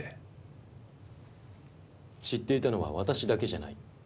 知っていたのは私だけじゃない。